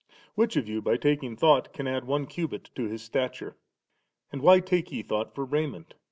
Which of you by taking thought, can add one cubit unto his stature ? And why take ye thought for raiment?